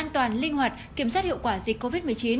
an toàn linh hoạt kiểm soát hiệu quả dịch covid một mươi chín